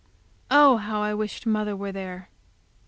Oh, how I wished mother were there!